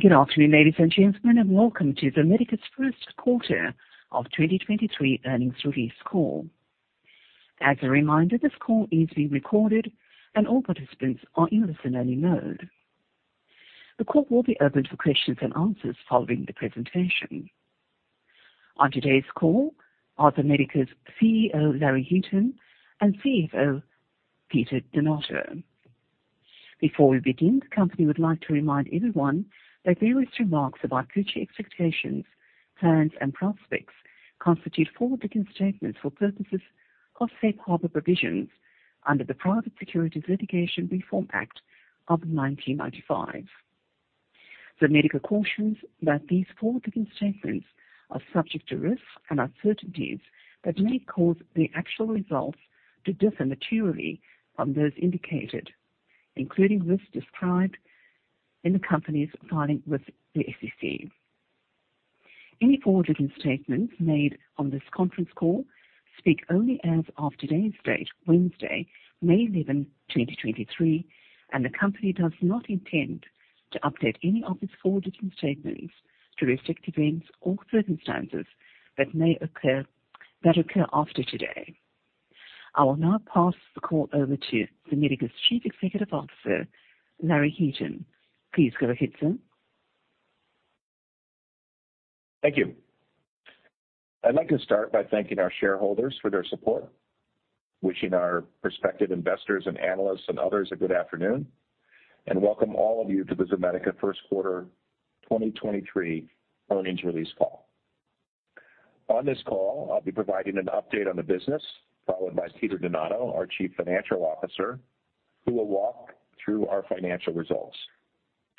Good afternoon, ladies and gentlemen, welcome to Zomedica's first quarter of 2023 earnings release call. As a reminder, this call is being recorded and all participants are in listen-only mode. The call will be open for questions and answers following the presentation. On today's call are Zomedica's CEO, Larry Heaton, and CFO, Peter Donato. Before we begin, the company would like to remind everyone that various remarks about future expectations, plans and prospects constitute forward-looking statements for purposes of safe harbor provisions under the Private Securities Litigation Reform Act of 1995. Zomedica cautions that these forward-looking statements are subject to risks and uncertainties that may cause the actual results to differ materially from those indicated, including risks described in the company's filing with the SEC. Any forward-looking statements made on this conference call speak only as of today's date, Wednesday, May 11th, 2023. The company does not intend to update any of its forward-looking statements to reflect events or circumstances that occur after today. I will now pass the call over to Zomedica's Chief Executive Officer, Larry Heaton. Please go ahead, sir. Thank you. I'd like to start by thanking our shareholders for their support, wishing our prospective investors and analysts and others a good afternoon, and welcome all of you to the Zomedica first quarter 2023 earnings release call. On this call, I'll be providing an update on the business, followed by Peter Donato, our Chief Financial Officer, who will walk through our financial results.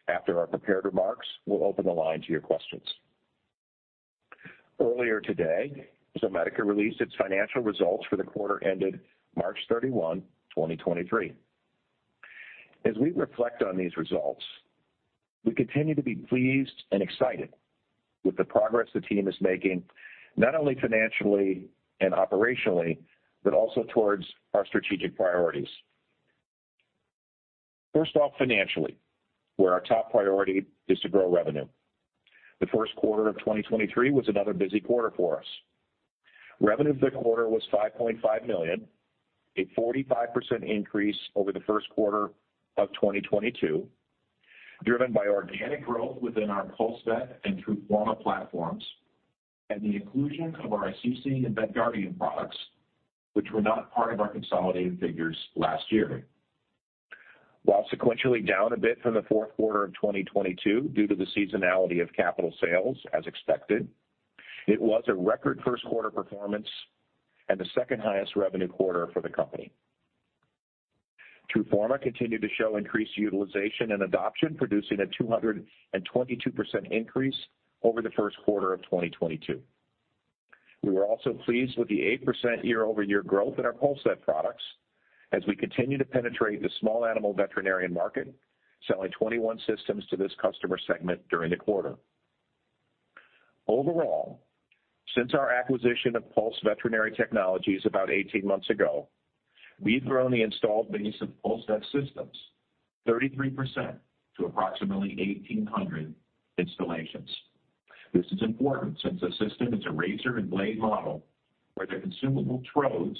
After our prepared remarks, we'll open the line to your questions. Earlier today, Zomedica released its financial results for the quarter ended March 31, 2023. As we reflect on these results, we continue to be pleased and excited with the progress the team is making, not only financially and operationally, but also towards our strategic priorities. First off, financially, where our top priority is to grow revenue. The first quarter of 2023 was another busy quarter for us. Revenue for the quarter was $5.5 million, a 45% increase over the first quarter of 2022, driven by organic growth within our PulseVet and TRUFORMA platforms and the inclusion of our Assisi and VetGuardian products, which were not part of our consolidated figures last year. While sequentially down a bit from the fourth quarter of 2022 due to the seasonality of capital sales as expected, it was a record first quarter performance and the second-highest revenue quarter for the company. TRUFORMA continued to show increased utilization and adoption, producing a 222% increase over the first quarter of 2022. We were also pleased with the 8% year-over-year growth in our PulseVet products as we continue to penetrate the small animal veterinarian market, selling 21 systems to this customer segment during the quarter. Overall, since our acquisition of Pulse Veterinary Technologies about 18 months ago, we've grown the installed base of PulseVet systems 33% to approximately 1,800 installations. This is important since the system is a razor and blade model where the consumable Trodes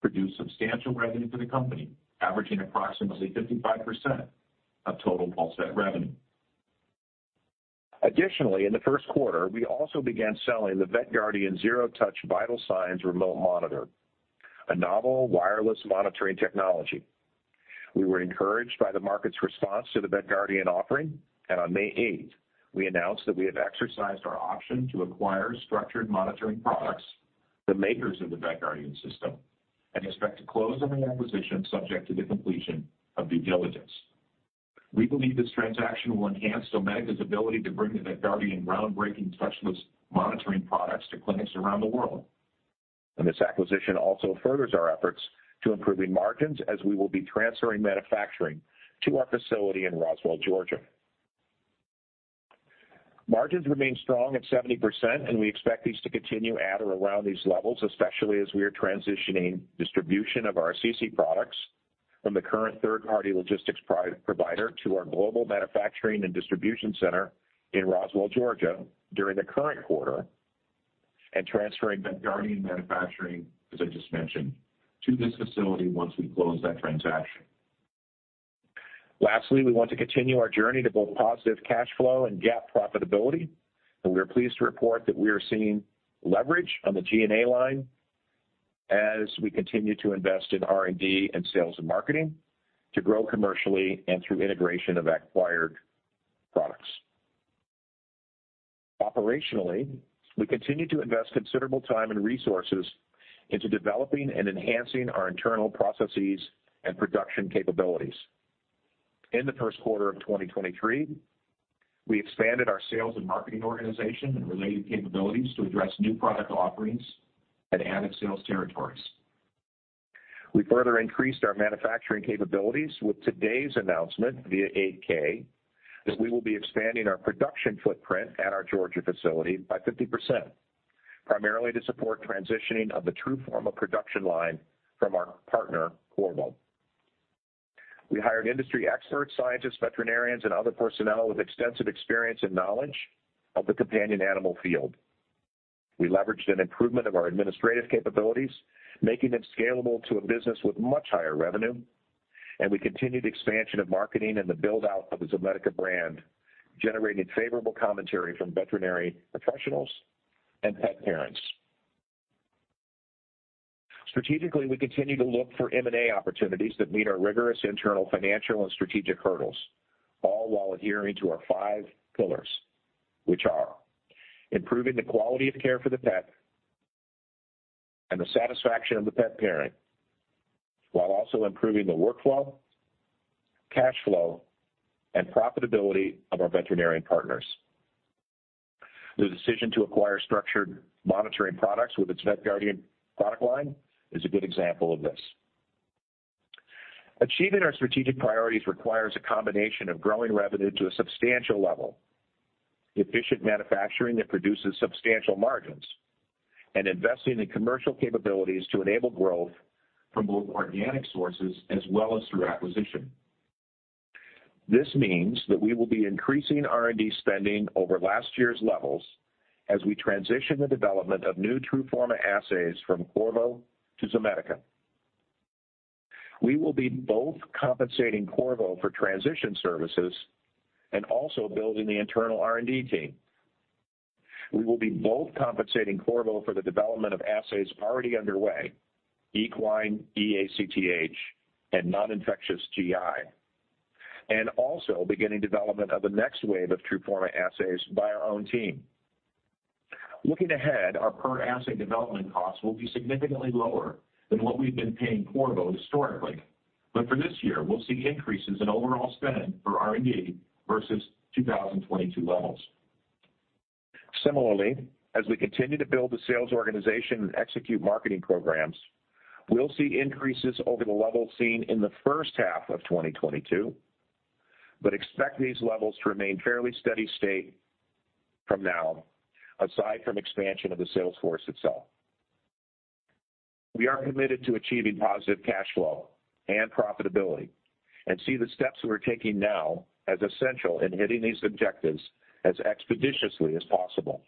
produce substantial revenue for the company, averaging approximately 55% of total PulseVet revenue. In the first quarter, we also began selling the VetGuardian Zero-Touch Vital Signs Remote Monitor, a novel wireless monitoring technology. We were encouraged by the market's response to the VetGuardian offering. On May 8, we announced that we have exercised our option to acquire Structured Monitoring Products, the makers of the VetGuardian system, and expect to close on the acquisition subject to the completion of due diligence. We believe this transaction will enhance Zomedica's ability to bring the VetGuardian groundbreaking touchless monitoring products to clinics around the world. This acquisition also furthers our efforts to improving margins as we will be transferring manufacturing to our facility in Roswell, Georgia. Margins remain strong at 70%, and we expect these to continue at or around these levels, especially as we are transitioning distribution of our CC products from the current third-party logistics provider to our global manufacturing and distribution center in Roswell, Georgia, during the current quarter, and transferring VetGuardian manufacturing, as I just mentioned, to this facility once we close that transaction. Lastly, we want to continue our journey to both positive cash flow and GAAP profitability, and we are pleased to report that we are seeing leverage on the G&A line as we continue to invest in R&D and sales and marketing to grow commercially and through integration of acquired products. Operationally, we continue to invest considerable time and resources into developing and enhancing our internal processes and production capabilities. In the first quarter of 2023, we expanded our sales and marketing organization and related capabilities to address new product offerings and added sales territories. We further increased our manufacturing capabilities with today's announcement via 8-K that we will be expanding our production footprint at our Georgia facility by 50%. Primarily to support transitioning of the TRUFORMA production line from our partner, Qorvo. We hired industry experts, scientists, veterinarians, and other personnel with extensive experience and knowledge of the companion animal field. We leveraged an improvement of our administrative capabilities, making them scalable to a business with much higher revenue, and we continued expansion of marketing and the build-out of the Zomedica brand, generating favorable commentary from veterinary professionals and pet parents. Strategically, we continue to look for M&A opportunities that meet our rigorous internal financial and strategic hurdles, all while adhering to our five pillars, which are improving the quality of care for the pet and the satisfaction of the pet parent, while also improving the workflow, cash flow, and profitability of our veterinarian partners. The decision to acquire Structured Monitoring Products with its VetGuardian product line is a good example of this. Achieving our strategic priorities requires a combination of growing revenue to a substantial level, efficient manufacturing that produces substantial margins, and investing in commercial capabilities to enable growth from both organic sources as well as through acquisition. This means that we will be increasing R&D spending over last year's levels as we transition the development of new TRUFORMA assays from Qorvo to Zomedica. We will be both compensating Qorvo for transition services and also building the internal R&D team. We will be both compensating Qorvo for the development of assays already underway, equine eACTH, and non-infectious GI, and also beginning development of the next wave of TRUFORMA assays by our own team. Looking ahead, our per assay development costs will be significantly lower than what we've been paying Qorvo historically. For this year, we'll see increases in overall spend for R&D versus 2022 levels. Similarly, as we continue to build the sales organization and execute marketing programs, we'll see increases over the level seen in the first half of 2022, but expect these levels to remain fairly steady state from now, aside from expansion of the sales force itself. We are committed to achieving positive cash flow and profitability and see the steps we're taking now as essential in hitting these objectives as expeditiously as possible.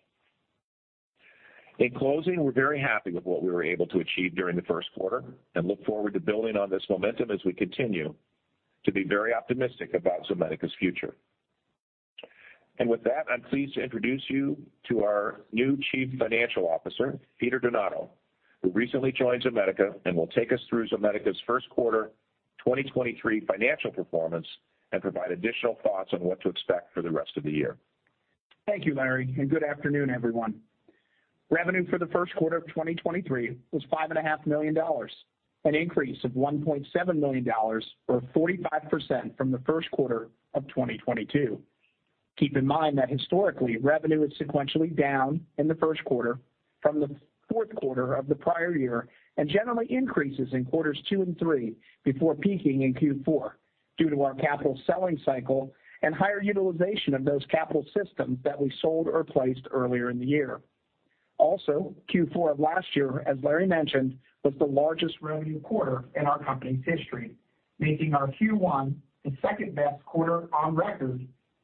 In closing, we're very happy with what we were able to achieve during the first quarter and look forward to building on this momentum as we continue to be very optimistic about Zomedica's future. With that, I'm pleased to introduce you to our new Chief Financial Officer, Peter Donato, who recently joined Zomedica and will take us through Zomedica's first quarter 2023 financial performance and provide additional thoughts on what to expect for the rest of the year. Thank you, Larry, and good afternoon, everyone. Revenue for the first quarter of 2023 was five and a half million dollars, an increase of $1.7 million or 45% from the first quarter of 2022. Keep in mind that historically, revenue is sequentially down in the first quarter from the fourth quarter of the prior year and generally increases in quarters two and three before peaking in Q4 due to our capital selling cycle and higher utilization of those capital systems that we sold or placed earlier in the year. Also, Q4 of last year, as Larry mentioned, was the largest revenue quarter in our company's history, making our Q1 the second-best quarter on record,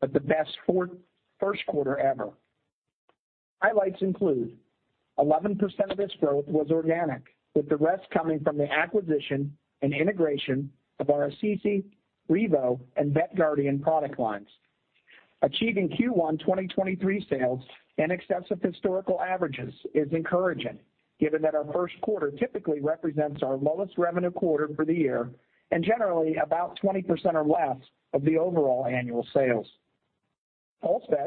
but the best first quarter ever. Highlights include 11% of this growth was organic, with the rest coming from the acquisition and integration of our Assisi, Revo, and VetGuardian product lines. Achieving Q1 2023 sales in excess of historical averages is encouraging, given that our first quarter typically represents our lowest revenue quarter for the year and generally about 20% or less of the overall annual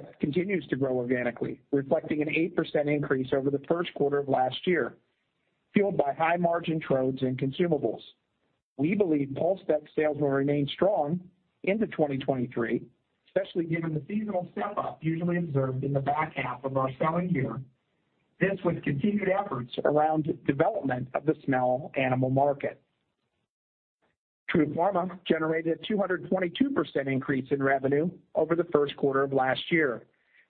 sales. PulseVet continues to grow organically, reflecting an 8% increase over the first quarter of last year, fueled by high-margin Trodes and consumables. We believe PulseVet sales will remain strong into 2023, especially given the seasonal step-up usually observed in the back half of our selling year. This with continued efforts around development of the small animal market. TRUFORMA generated 222% increase in revenue over the first quarter of last year.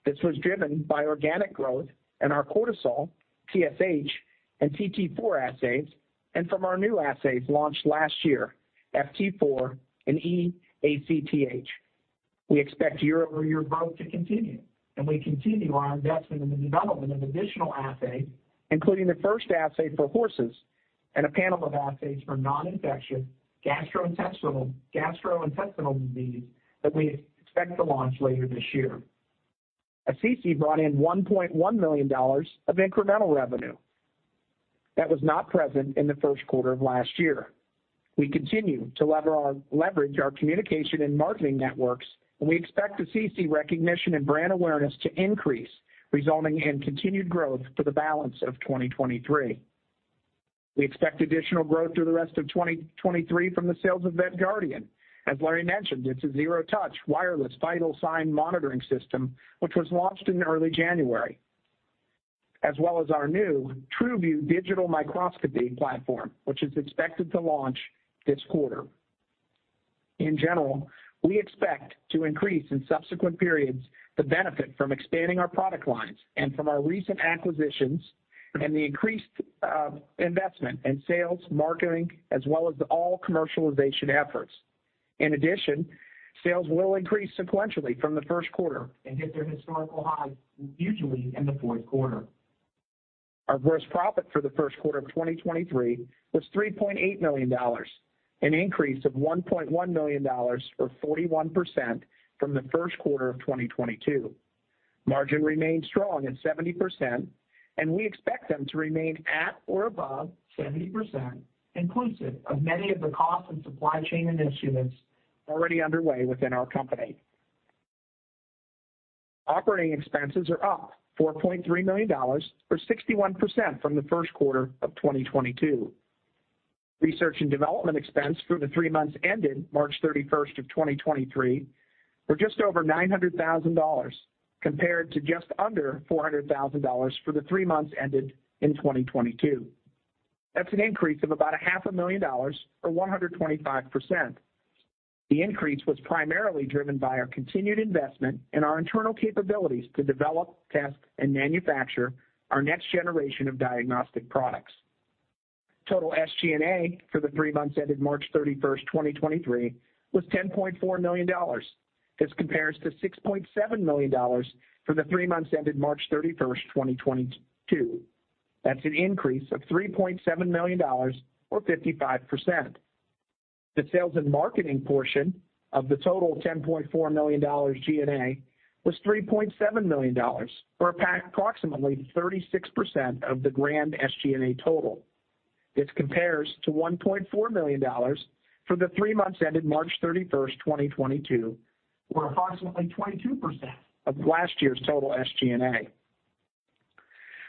This was driven by organic growth in our cortisol, TSH, and tT4 assays, from our new assays launched last year, fT4 and eACTH. We expect year-over-year growth to continue, we continue our investment in the development of additional assays, including the first assay for horses and a panel of assays for non-infectious GI disease that we expect to launch later this year. Assisi brought in $1.1 million of incremental revenue that was not present in the first quarter of last year. We continue to leverage our communication and marketing networks, we expect Assisi recognition and brand awareness to increase, resulting in continued growth for the balance of 2023. We expect additional growth through the rest of 2023 from the sales of VetGuardian. As Larry mentioned, it's a zero-touch wireless vital sign monitoring system, which was launched in early January, as well as our new TRUVIEW digital microscopy platform, which is expected to launch this quarter. In general, we expect to increase in subsequent periods the benefit from expanding our product lines and from our recent acquisitions and the increased investment in sales, marketing, as well as all commercialization efforts. In addition, sales will increase sequentially from the first quarter and hit their historical highs usually in the fourth quarter. Our gross profit for the first quarter of 2023 was $3.8 million, an increase of $1.1 million, or 41% from the first quarter of 2022. Margin remained strong at 70%, and we expect them to remain at or above 70%, inclusive of many of the costs and supply chain initiatives already underway within our company. Operating expenses are up $4.3 million, or 61% from the first quarter of 2022. Research and Development expense for the three months ending March 31st, 2023 were just over $900,000 compared to just under $400,000 for the three months ended in 2022. That's an increase of about a half a million dollars, or 125%. The increase was primarily driven by our continued investment in our internal capabilities to develop, test, and manufacture our next generation of diagnostic products. Total SG&A for the three months ended March 31st, 2023 was $10.4 million. This compares to $6.7 million for the three months ended March 31st, 2022. That's an increase of $3.7 million or 55%. The sales and marketing portion of the total $10.4 million G&A was $3.7 million, or approximately 36% of the grand SG&A total. This compares to $1.4 million for the three months ended March 31st, 2022, or approximately 22% of last year's total SG&A.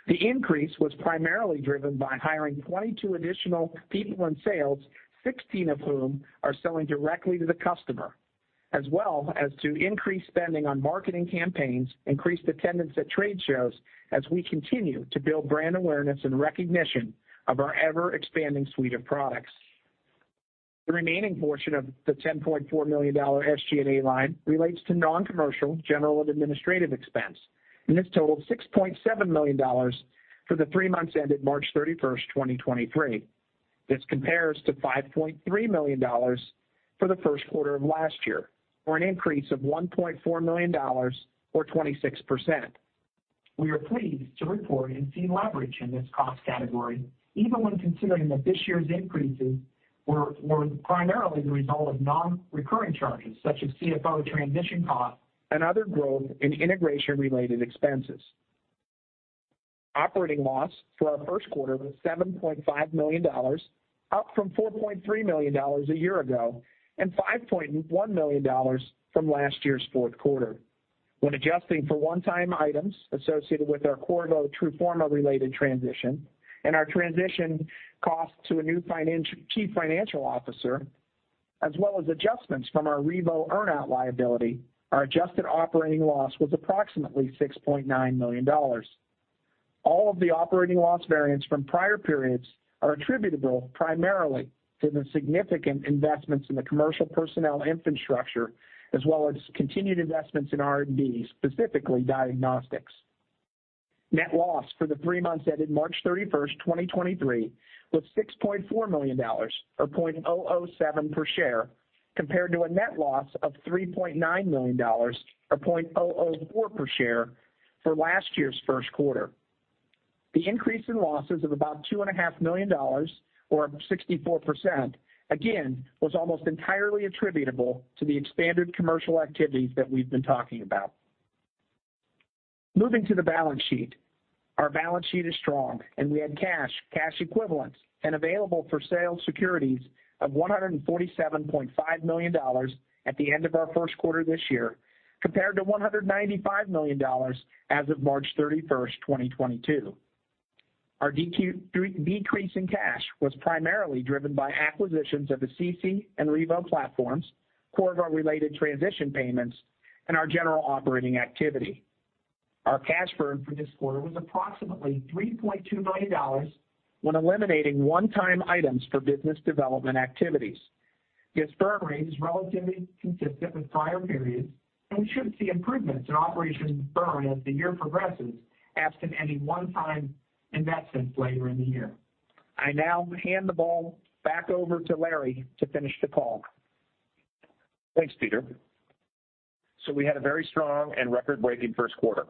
The increase was primarily driven by hiring 22 additional people in sales, 16 of whom are selling directly to the customer, as well as to increase spending on marketing campaigns, increased attendance at trade shows as we continue to build brand awareness and recognition of our ever-expanding suite of products. The remaining portion of the $10.4 million SG&A line relates to non-commercial, general and administrative expense. This totaled $6.7 million for the three months ended March 31st, 2023. This compares to $5.3 million for the first quarter of last year, an increase of $1.4 million or 26%. We are pleased to report and see leverage in this cost category, even when considering that this year's increases were primarily the result of non-recurring charges such as CFO transition costs and other growth in integration-related expenses. Operating loss for our first quarter was $7.5 million, up from $4.3 million a year ago and $5.1 million from last year's fourth quarter. When adjusting for one-time items associated with our Qorvo TRUFORMA-related transition and our transition cost to a new key financial officer, as well as adjustments from our Revo earn-out liability, our adjusted operating loss was approximately $6.9 million. All of the operating loss variants from prior periods are attributable primarily to the significant investments in the commercial personnel infrastructure as well as continued investments in R&D, specifically diagnostics. Net loss for the three months ended March 31st, 2023 was $6.4 million or 0.07 per share, compared to a net loss of $3.9 million or 0.004 per share for last year's first quarter. The increase in losses of about $2.5 million or 64%, again, was almost entirely attributable to the expanded commercial activities that we've been talking about. Moving to the balance sheet. Our balance sheet is strong, and we had cash equivalents and available for sale securities of $147.5 million at the end of our first quarter this year, compared to $195 million as of March 31st, 2022. Our decrease in cash was primarily driven by acquisitions of the Celsee and Revo platforms, Qorvo-related transition payments, and our general operating activity. Our cash burn for this quarter was approximately $3.2 million when eliminating one-time items for business development activities. This burn rate is relatively consistent with prior periods, and we should see improvements in operation burn as the year progresses, absent any one-time investments later in the year. I now hand the ball back over to Larry to finish the call. Thanks, Peter. We had a very strong and record-breaking first quarter.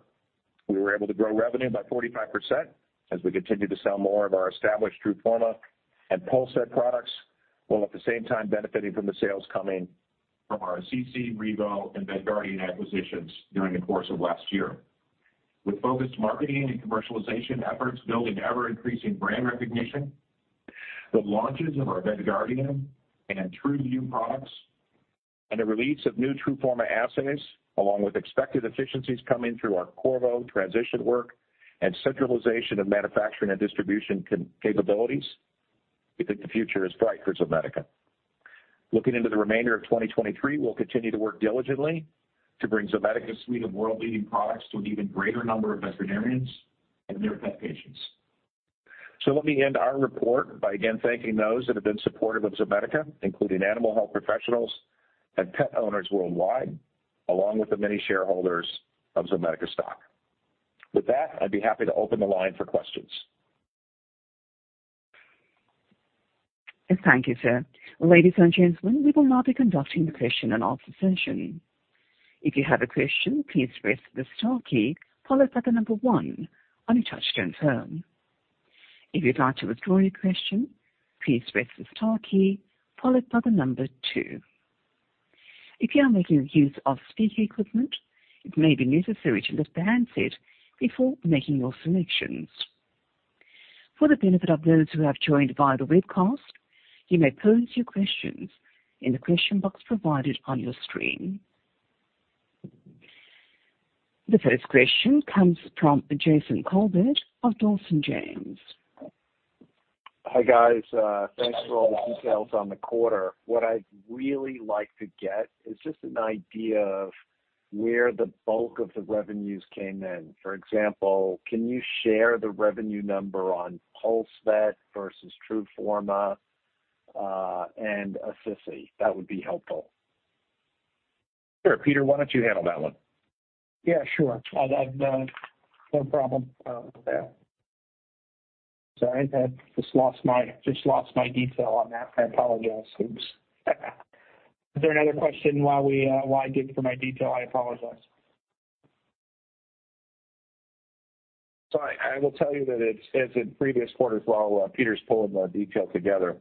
We were able to grow revenue by 45% as we continue to sell more of our established TRUFORMA and PulseVet products, while at the same time benefiting from the sales coming from our Celsee, Revo, and VetGuardian acquisitions during the course of last year. With focused marketing and commercialization efforts building ever-increasing brand recognition, the launches of our VetGuardian and TRUVIEW products and the release of new TRUFORMA assays, along with expected efficiencies coming through our Qorvo transition work and centralization of manufacturing and distribution capabilities, we think the future is bright for Zomedica. Looking into the remainder of 2023, we'll continue to work diligently to bring Zomedica's suite of world-leading products to an even greater number of veterinarians and their pet patients. Let me end our report by again thanking those that have been supportive of Zomedica, including animal health professionals and pet owners worldwide, along with the many shareholders of Zomedica stock. With that, I'd be happy to open the line for questions. Thank you, sir. Ladies and gentlemen, we will now be conducting the question and answer session. If you have a question, please press the star key followed by the number one on your touch-tone phone. If you'd like to withdraw your question, please press the star key followed by the number two. If you are making use of speaker equipment, it may be necessary to lift the handset before making your selections. For the benefit of those who have joined via the webcast, you may pose your questions in the question box provided on your screen. The first question comes from Jason Kolbert of Dawson James. Hi, guys. Thanks for all the details on the quarter. What I'd really like to get is just an idea of where the bulk of the revenues came in. For example, can you share the revenue number on PulseVet versus TRUFORMA, and Assisi? That would be helpful. Sure. Peter, why don't you handle that one? Yeah, sure. I'll add the... No problem. Sorry, I just lost my detail on that. I apologize. Oops. Is there another question while we, while I dig for my detail? I apologize. Sorry. I will tell you that it's as in previous quarters. While Peter's pulling the detail together,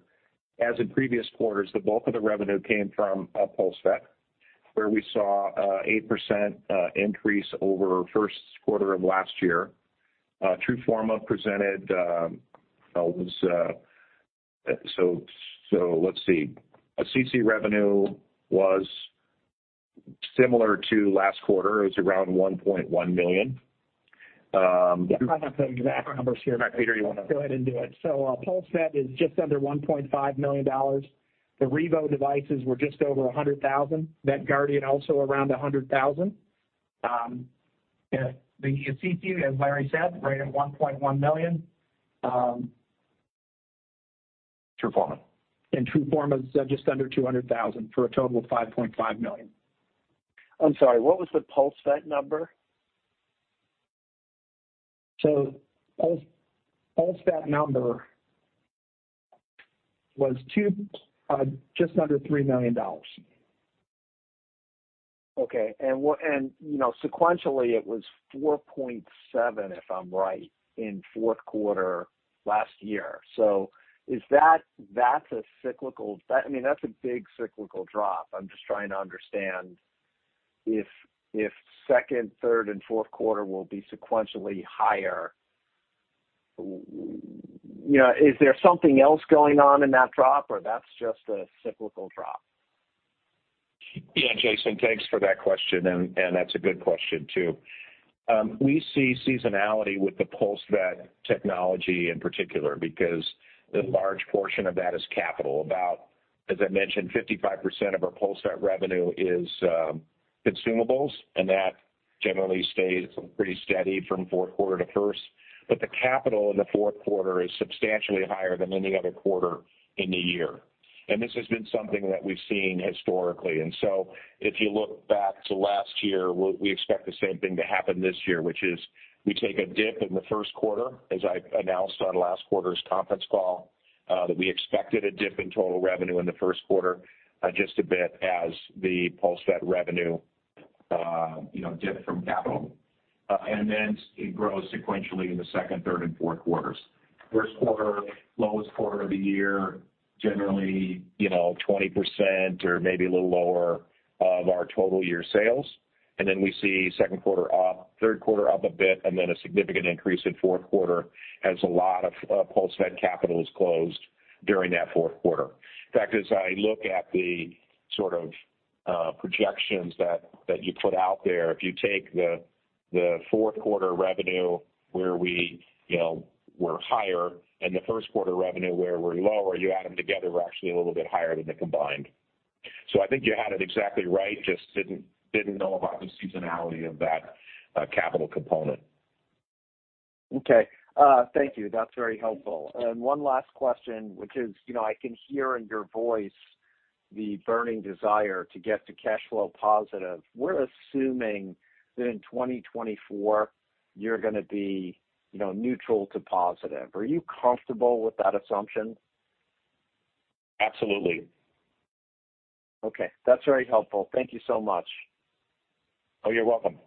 as in previous quarters, the bulk of the revenue came from PulseVet where we saw a 8% increase over first quarter of last year. TRUFORMA presented. Let's see. Assisi revenue was similar to last quarter. It was around $1.1 million? Yeah, I have the exact numbers here. All right, Peter, you want to? Go ahead and do it. PulseVet is just under $1.5 million. The Revo devices were just over $100,000. VetGuardian also around $100,000. The Assisi, as Larry said, right at $1.1 million. Trueforma. TRUFORMA is just under $200,000 for a total of $5.5 million. I'm sorry, what was the PulseVet number? PulseVet number was just under $3 million. Okay. You know, sequentially, it was 4.7, if I'm right, in fourth quarter last year. Is that, I mean, that's a big cyclical drop. I'm just trying to understand if second, third and fourth quarter will be sequentially higher. You know, is there something else going on in that drop or that's just a cyclical drop? Jason Kolbert, thanks for that question, that's a good question, too. We see seasonality with the PulseVet technology in particular because a large portion of that is capital. About, as I mentioned, 55% of our PulseVet revenue is consumables and that generally stays pretty steady from fourth quarter to first. The capital in the fourth quarter is substantially higher than any other quarter in the year. This has been something that we've seen historically. If you look back to last year, we expect the same thing to happen this year, which is we take a dip in the first quarter, as I announced on last quarter's conference call, that we expected a dip in total revenue in the first quarter just a bit as the PulseVet revenue, you know, dip from capital. Then it grows sequentially in the second, third, and fourth quarters. First quarter, lowest quarter of the year, generally, you know, 20% or maybe a little lower of our total year sales. Then we see second quarter up, third quarter up a bit, and then a significant increase in fourth quarter as a lot of PulseVet capital is closed during that fourth quarter. In fact, as I look at the sort of projections that you put out there, if you take the fourth quarter revenue where we, you know, we're higher and the first quarter revenue where we're lower, you add them together, we're actually a little bit higher than the combined. I think you had it exactly right, just didn't know about the seasonality of that capital component. Okay. thank you. That's very helpful. One last question, which is, you know, I can hear in your voice the burning desire to get to cash flow positive. We're assuming that in 2024 you're gonna be, you know, neutral to positive. Are you comfortable with that assumption? Absolutely. Okay. That's very helpful. Thank you so much. Oh, you're welcome.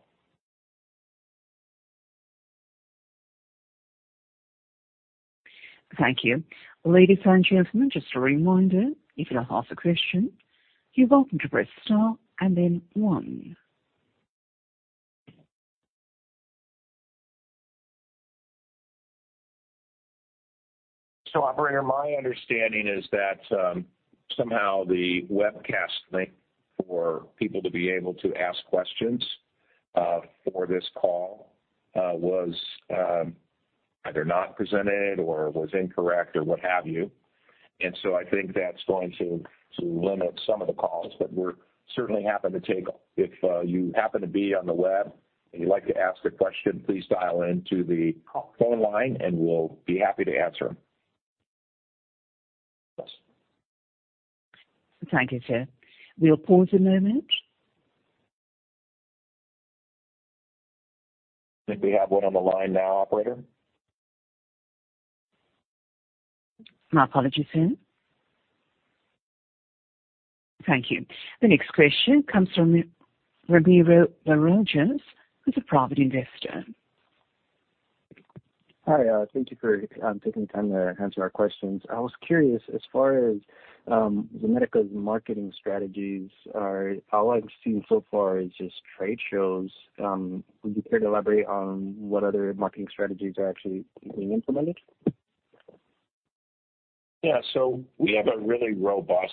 Thank you. Ladies and gentlemen, just a reminder, if you'd like to ask a question, you're welcome to press star and then one. Operator, my understanding is that somehow the webcast link for people to be able to ask questions for this call was either not presented or was incorrect or what have you. I think that's going to limit some of the calls, but we're certainly happy to take them. If you happen to be on the web and you'd like to ask a question, please dial in to the phone line and we'll be happy to answer them. Thank you, sir. We'll pause a moment. I think we have one on the line now, operator. My apologies, sir. Thank you. The next question comes from [inaudible] with The Private Investor. Hi. Thank you for taking the time to answer our questions. I was curious, as far as Zomedica's marketing strategies are, all I've seen so far is just trade shows. Would you care to elaborate on what other marketing strategies are actually being implemented? We have a really robust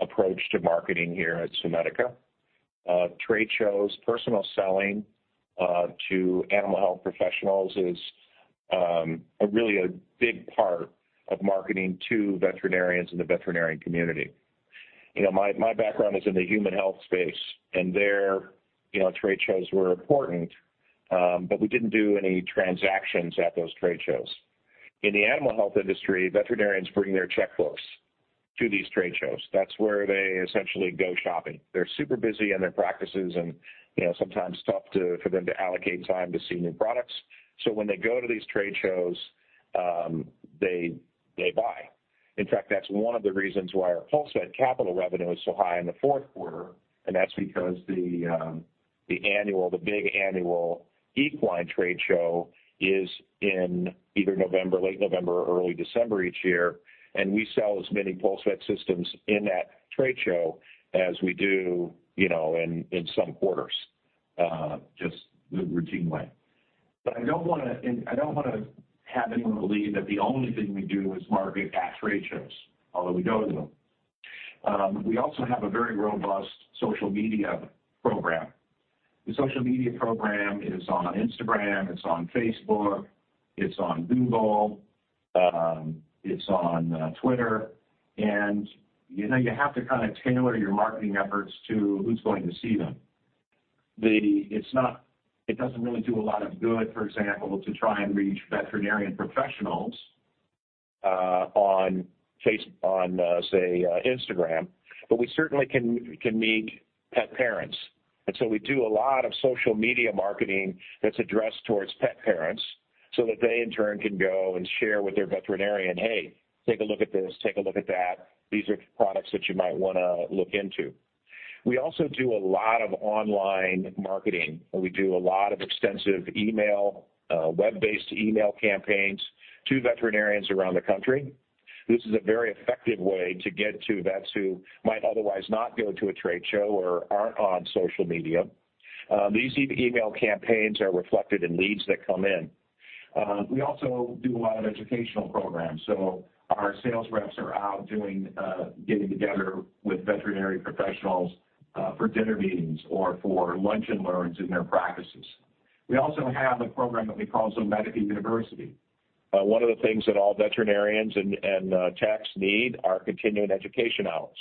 approach to marketing here at Zomedica. Trade shows, personal selling to animal health professionals is really a big part of marketing to veterinarians and the veterinarian community. You know, my background is in the human health space, and there, you know, trade shows were important, we didn't do any transactions at those trade shows. In the animal health industry, veterinarians bring their checkbooks to these trade shows. That's where they essentially go shopping. They're super busy in their practices and, you know, sometimes tough for them to allocate time to see new products. When they go to these trade shows, they buy. In fact, that's one of the reasons why our PulseVet capital revenue is so high in the fourth quarter. That's because the big annual equine trade show is in either November, late November or early December each year. We sell as many PulseVet systems in that trade show as we do, you know, in some quarters, just the routine way. I don't wanna have anyone believe that the only thing we do is market at trade shows, although we go to them. We also have a very robust social media program. The social media program is on Instagram, it's on Facebook, it's on Google, it's on Twitter. You know, you have to kinda tailor your marketing efforts to who's going to see them. It doesn't really do a lot of good, for example, to try and reach veterinarian professionals on Instagram, but we certainly can meet pet parents. We do a lot of social media marketing that's addressed towards pet parents so that they in turn can go and share with their veterinarian, "Hey, take a look at this. Take a look at that. These are products that you might wanna look into." We also do a lot of online marketing. We do a lot of extensive email, web-based email campaigns to veterinarians around the country. This is a very effective way to get to vets who might otherwise not go to a trade show or aren't on social media. These email campaigns are reflected in leads that come in. We also do a lot of educational programs. Our sales reps are out doing, getting together with veterinary professionals, for dinner meetings or for lunch and learns in their practices. We also have a program that we call Zomedica University. One of the things that all veterinarians and techs need are continuing education hours.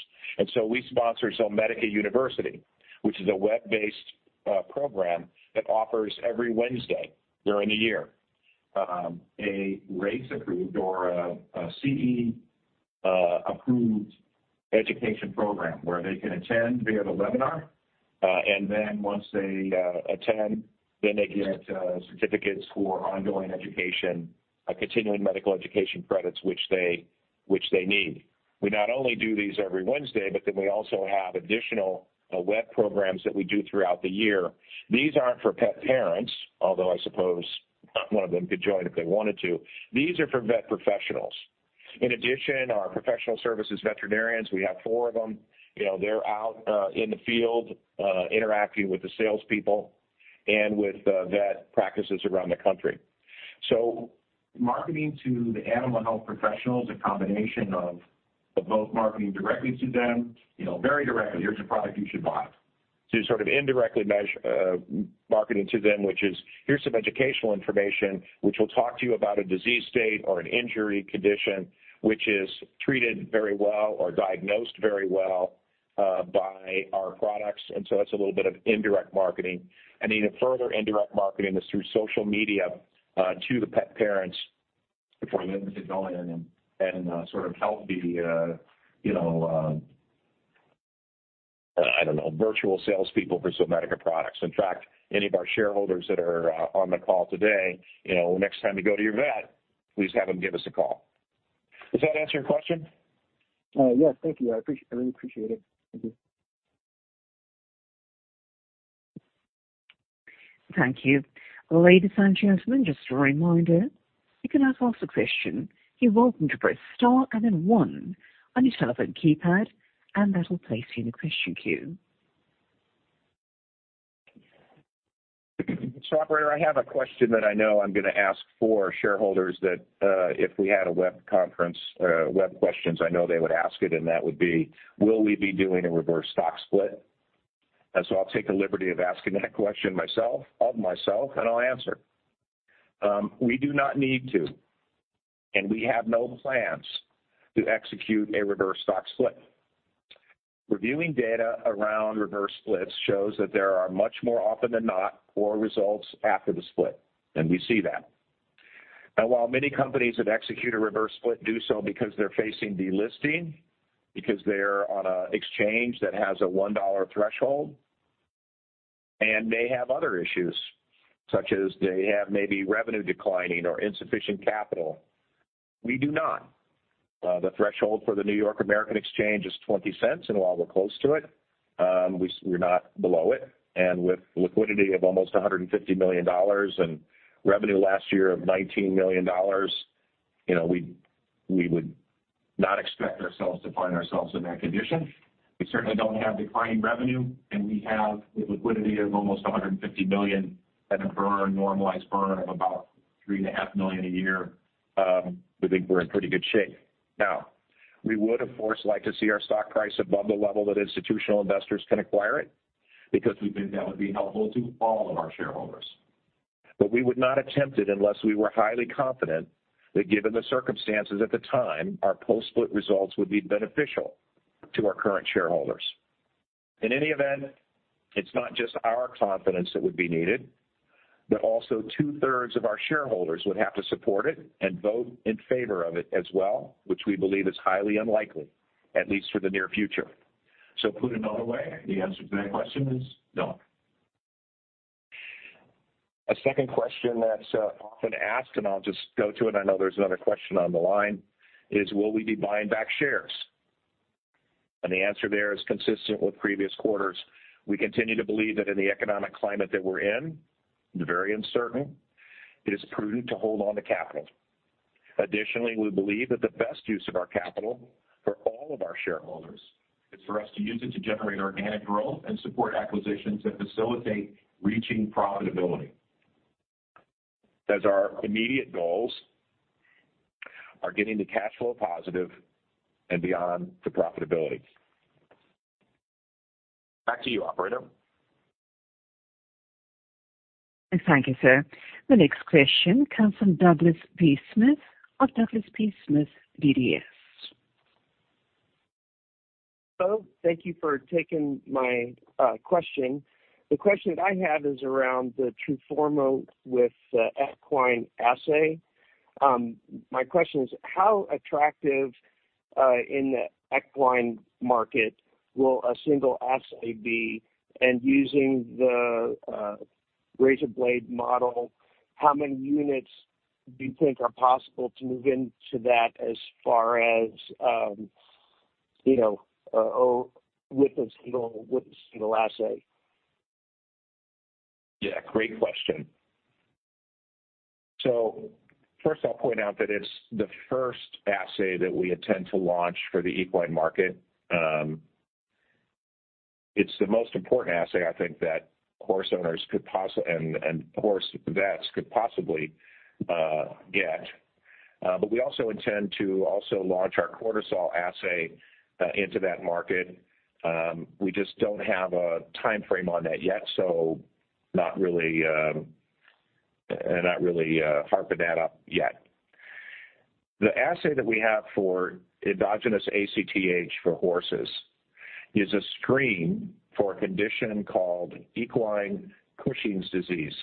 We sponsor Zomedica University, which is a web-based program that offers every Wednesday during the year, a RACE-approved or a CE approved education program where they can attend via the webinar. Once they attend, they get certificates for ongoing education, continuing medical education credits, which they need. We not only do these every Wednesday, we also have additional web programs that we do throughout the year. These aren't for pet parents, although I suppose one of them could join if they wanted to. These are for vet professionals. In addition, our professional services veterinarians, we have four of them, you know, they're out in the field, interacting with the salespeople and with vet practices around the country. Marketing to the animal health professional is a combination of both marketing directly to them, you know, very directly, "Here's a product you should buy," to sort of indirectly measure, marketing to them, which is, "Here's some educational information which will talk to you about a disease state or an injury condition, which is treated very well or diagnosed very well, by our products." That's a little bit of indirect marketing. Even further indirect marketing is through social media to the pet parents before they even get going and sort of help the, you know, I don't know, virtual salespeople for Zomedica products. In fact, any of our shareholders that are on the call today, you know, next time you go to your vet, please have them give us a call. Does that answer your question? Yes. Thank you. I really appreciate it. Thank you. Thank you. Ladies and gentlemen, just a reminder, you can now ask a question. You're welcome to press star and then one on your telephone keypad, and that will place you in the question queue. Operator, I have a question that I know I'm gonna ask for shareholders that, if we had a web conference, web questions, I know they would ask it, and that would be: Will we be doing a reverse stock split? I'll take the liberty of asking that question myself, of myself, and I'll answer. We do not need to, and we have no plans to execute a reverse stock split. Reviewing data around reverse splits shows that there are much more often than not poor results after the split, and we see that. While many companies that execute a reverse split do so because they're facing delisting, because they're on a exchange that has a $1 threshold and may have other issues, such as they have maybe revenue declining or insufficient capital, we do not. The threshold for the New York American exchange is $0.20, while we're close to it, we're not below it. With liquidity of almost $150 million and revenue last year of $19 million, we would not expect ourselves to find ourselves in that condition. We certainly don't have declining revenue. We have a liquidity of almost $150 million and a burn, normalized burn of about $3.5 million a year. We think we're in pretty good shape. We would of course like to see our stock price above the level that institutional investors can acquire it because we think that would be helpful to all of our shareholders. We would not attempt it unless we were highly confident that given the circumstances at the time, our post-split results would be beneficial to our current shareholders. In any event, it's not just our confidence that would be needed, but also two-thirds of our shareholders would have to support it and vote in favor of it as well, which we believe is highly unlikely, at least for the near future. Put another way, the answer to that question is no. A second question that's often asked, and I'll just go to it, I know there's another question on the line, is will we be buying back shares? The answer there is consistent with previous quarters. We continue to believe that in the economic climate that we're in, very uncertain, it is prudent to hold on to capital. Additionally, we believe that the best use of our capital for all of our shareholders is for us to use it to generate organic growth and support acquisitions that facilitate reaching profitability, as our immediate goals are getting to cash flow positive and beyond to profitability. Back to you, operator. Thank you, sir. The next question comes from Douglas B. Smith of Douglas B. Smith DDS. Hello. Thank you for taking my question. The question I have is around the TRUFORMA with the equine assay. My question is how attractive in the equine market will a single assay be? Using the razor and blade model, how many units do you think are possible to move into that as far as, you know, with a single assay? Yeah, great question. First I'll point out that it's the first Assay that we intend to launch for the equine market. It's the most important Assay I think that horse owners could and horse vets could possibly get. We also intend to also launch our cortisol Assay into that market. We just don't have a timeframe on that yet, so not really not really harping that up yet. The Assay that we have for endogenous ACTH for horses is a screen for a condition called equine Cushing's disease.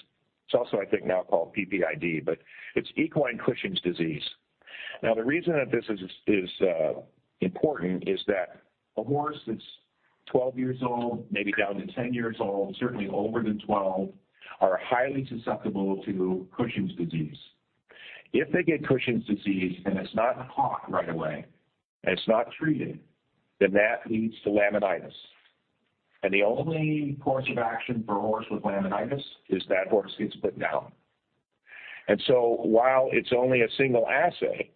It's also I think now called PPID. It's equine Cushing's disease. The reason that this is important is that a horse that's 12 years old, maybe down to 10 years old, certainly older than 12, are highly susceptible to Cushing's disease. If they get Cushing's disease and it's not caught right away, and it's not treated, then that leads to laminitis. The only course of action for a horse with laminitis is that horse gets put down. While it's only a single assay,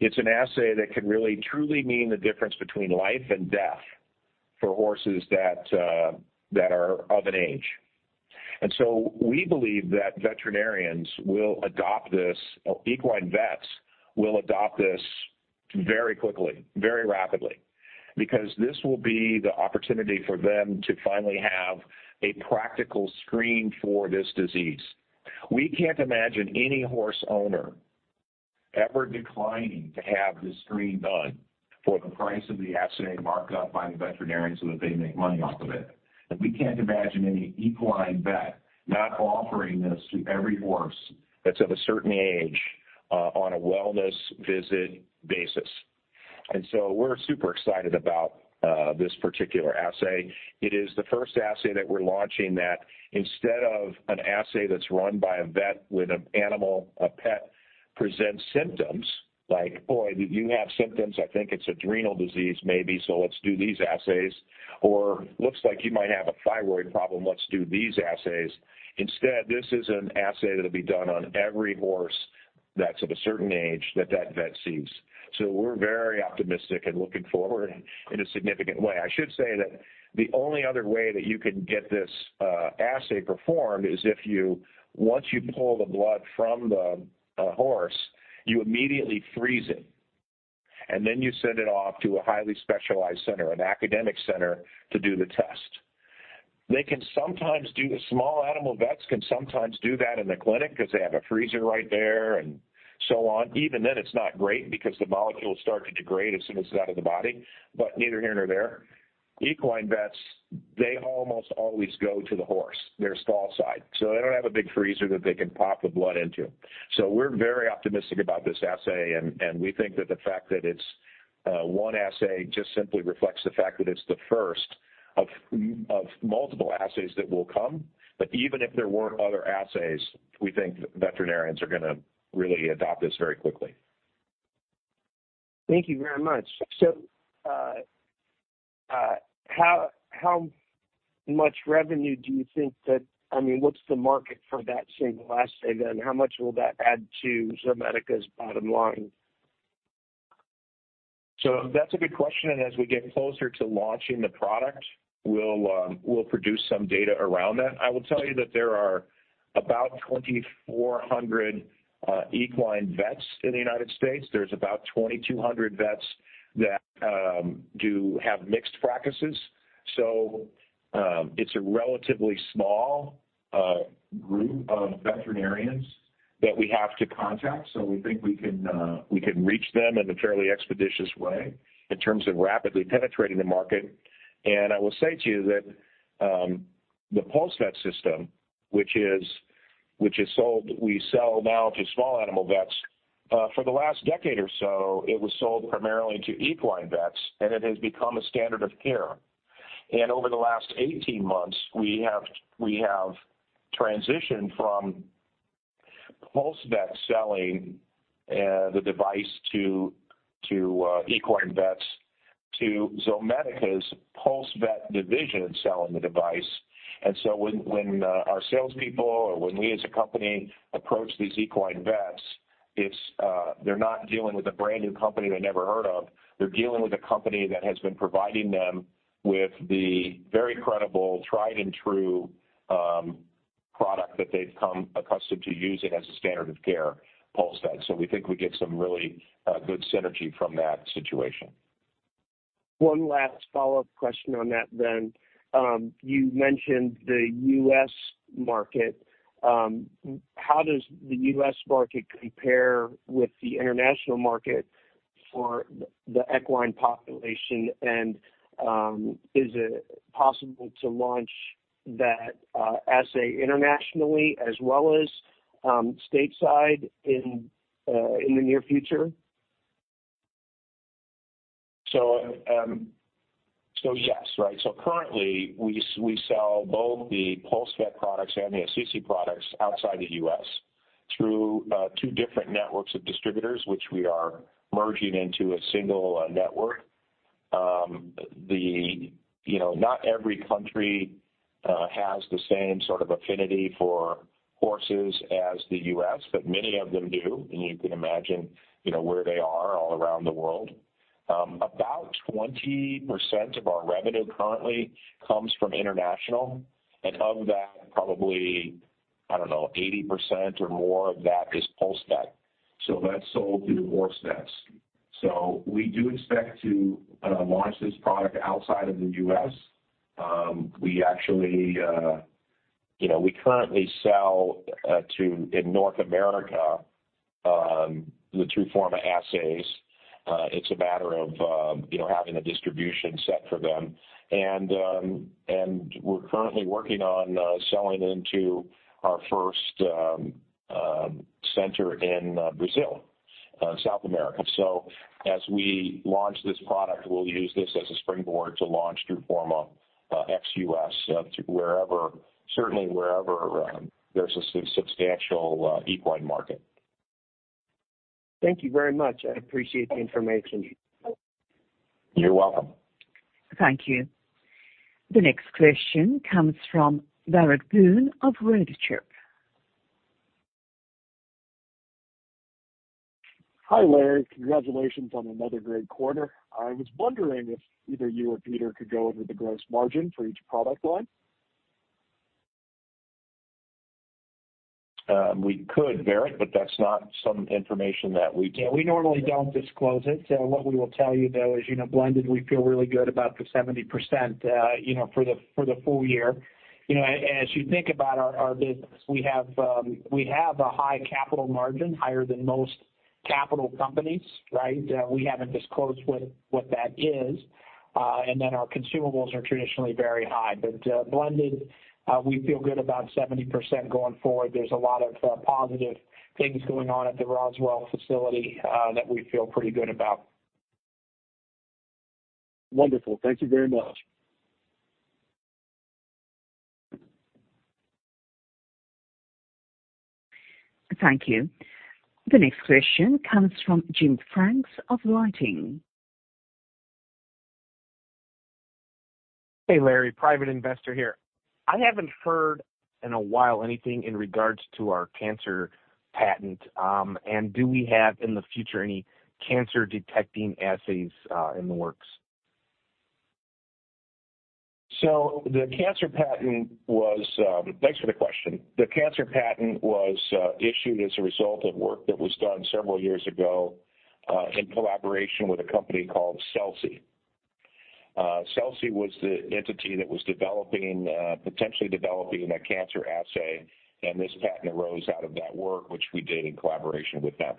it's an assay that can really truly mean the difference between life and death for horses that are of an age. We believe that veterinarians will adopt this, equine vets will adopt this very quickly, very rapidly, because this will be the opportunity for them to finally have a practical screen for this disease. We can't imagine any horse owner ever declining to have this screen done for the price of the assay marked up by the veterinarian so that they make money off of it. We can't imagine any equine vet not offering this to every horse that's of a certain age on a wellness visit basis. We're super excited about this particular assay. It is the first assay that we're launching that instead of an assay that's run by a vet with an animal, a pet, presents symptoms like, "Boy, you have symptoms. I think it's adrenal disease maybe, so let's do these assays." "Looks like you might have a thyroid problem. Let's do these assays." Instead, this is an assay that'll be done on every horse that's of a certain age that that vet sees. We're very optimistic and looking forward in a significant way. I should say that the only other way that you can get this assay performed is if once you pull the blood from the horse, you immediately freeze it. Then you send it off to a highly specialized center, an academic center, to do the test. They can sometimes do the small animal vets can sometimes do that in the clinic because they have a freezer right there and so on. Even then, it's not great because the molecules start to degrade as soon as it's out of the body. Neither here nor there. Equine vets, they almost always go to the horse, their stall side. They don't have a big freezer that they can pop the blood into. We're very optimistic about this assay, and we think that the fact that it's one assay just simply reflects the fact that it's the first of multiple assays that will come. Even if there weren't other assays, we think veterinarians are gonna really adopt this very quickly. Thank you very much. How much revenue do you think that, I mean, what's the market for that single assay then? How much will that add to Zomedica's bottom line? That's a good question, and as we get closer to launching the product, we'll produce some data around that. I will tell you that there are about 2,400 equine vets in the United States. There's about 2,200 vets that do have mixed practices. It's a relatively small group of veterinarians that we have to contact. We think we can reach them in a fairly expeditious way in terms of rapidly penetrating the market. I will say to you that the PulseVet system, which is sold, we sell now to small animal vets. For the last decade or so, it was sold primarily to equine vets, and it has become a standard of care. Over the last 18 months, we have transitioned from PulseVet selling the device to equine vets to Zomedica's PulseVet division selling the device. When our salespeople or when we as a company approach these equine vets, it's they're not dealing with a brand-new company they never heard of. They're dealing with a company that has been providing them with the very credible, tried and true product that they've come accustomed to using as a standard of care, PulseVet. We think we get some really good synergy from that situation. One last follow-up question on that then. You mentioned the U.S. market. How does the U.S. market compare with the international market for the equine population? Is it possible to launch that Assay internationally as well as stateside in the near future? Yes. Right. Currently we sell both the PulseVet products and the Assay products outside the US through 2 different networks of distributors, which we are merging into a single network. You know, not every country has the same sort of affinity for horses as the US, but many of them do, and you can imagine, you know, where they are all around the world. About 20% of our revenue currently comes from international, and of that, probably, I don't know, 80% or more of that is PulseVet. That's sold through horse vets. We do expect to launch this product outside of the US. We actually, you know, we currently sell in North America the TRUFORMA Assays. It's a matter of, you know, having a distribution set for them. We're currently working on selling into our first center in Brazil, South America. As we launch this product, we'll use this as a springboard to launch TRUFORMA ex-U.S. to wherever, certainly wherever, there's a substantial equine market. Thank you very much. I appreciate the information. You're welcome. Thank you. The next question comes from Varit Boon of Road Trip. Hi, Larry. Congratulations on another great quarter. I was wondering if either you or Peter could go over the gross margin for each product line? We could, Varit, but that's not some information that we. Yeah, we normally don't disclose it. What we will tell you, though, is, you know, blended, we feel really good about the 70%, you know, for the full year. You know, as you think about our business, we have a high capital margin, higher than most capital companies, right? We haven't disclosed what that is. And then our consumables are traditionally very high. Blended, we feel good about 70% going forward. There's a lot of positive things going on at the Roswell facility, that we feel pretty good about. Wonderful. Thank you very much. Thank you. The next question comes from Jim Franks of Lighting. Hey, Larry, private investor here. I haven't heard in a while anything in regards to our cancer patent. Do we have, in the future, any cancer-detecting assays in the works? The cancer patent was, thanks for the question. The cancer patent was issued as a result of work that was done several years ago in collaboration with a company called Celsee. Celsee was the entity that was potentially developing a cancer assay, this patent arose out of that work, which we did in collaboration with them.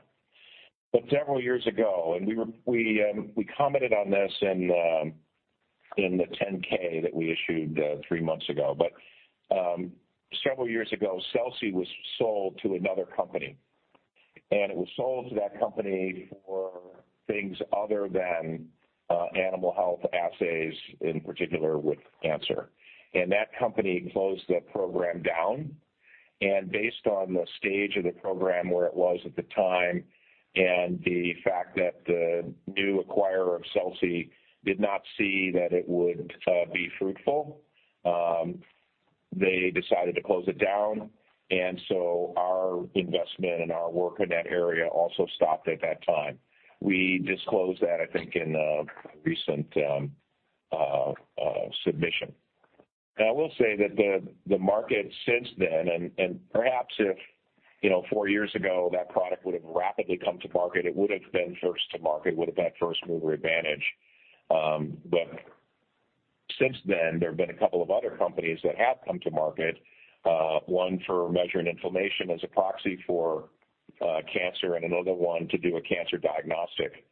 Several years ago, we commented on this in the 10-K that we issued three months ago. Several years ago, Celsee was sold to another company, it was sold to that company for things other than animal health assays, in particular with cancer. That company closed the program down. Based on the stage of the program, where it was at the time, and the fact that the new acquirer of Celsee did not see that it would be fruitful, they decided to close it down. Our investment and our work in that area also stopped at that time. We disclosed that, I think, in a recent submission. I will say that the market since then, and perhaps if, you know, four years ago, that product would have rapidly come to market, it would have been first to market, would have been first mover advantage. Since then, there have been a couple of other companies that have come to market, one for measuring inflammation as a proxy for cancer and another one to do a cancer diagnostic.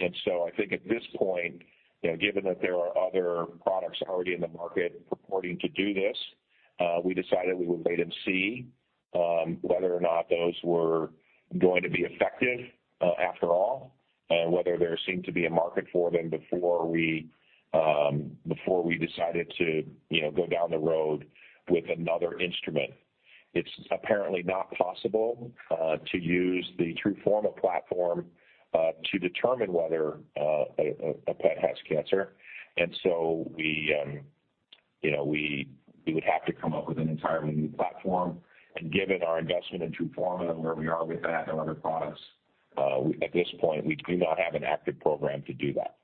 I think at this point, you know, given that there are other products already in the market purporting to do this, we decided we would wait and see whether or not those were going to be effective after all, whether there seemed to be a market for them before we decided to, you know, go down the road with another instrument. It's apparently not possible to use the TRUFORMA platform to determine whether a pet has cancer. We, you know, we would have to come up with an entirely new platform. Given our investment in TRUFORMA and where we are with that and other products, at this point, we do not have an active program to do that.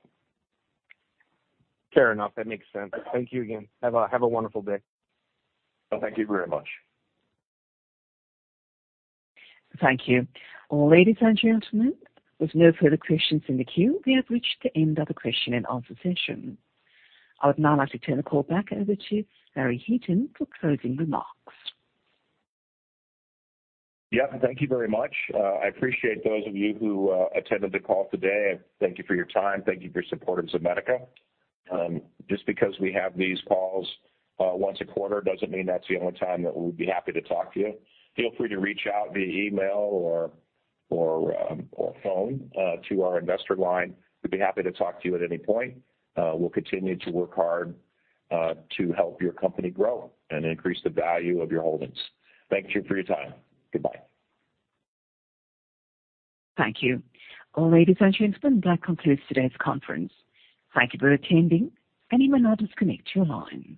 Fair enough. That makes sense. Thank you again. Have a wonderful day. Thank you very much. Thank you. Ladies and gentlemen, with no further questions in the queue, we have reached the end of the question and answer session. I would now like to turn the call back over to Larry Heaton for closing remarks. Thank you very much. I appreciate those of you who attended the call today. Thank you for your time. Thank you for your support of Zomedica. Just because we have these calls once a quarter doesn't mean that's the only time that we'd be happy to talk to you. Feel free to reach out via email or phone to our investor line. We'd be happy to talk to you at any point. We'll continue to work hard to help your company grow and increase the value of your holdings. Thank you for your time. Goodbye. Thank you. Ladies and gentlemen, that concludes today's conference. Thank you for attending, and you may now disconnect your lines.